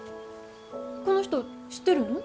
この人知ってるの？